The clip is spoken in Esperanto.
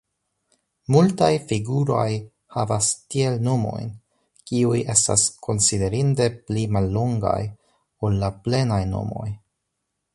Multaj figuraj havas tiel nomojn, kiuj estas konsiderinde pli mallongaj ol la plenaj nomoj.